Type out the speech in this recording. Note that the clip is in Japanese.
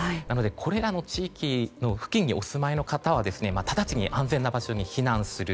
これらの地域の付近にお住まいの方は直ちに安全な場所に避難する。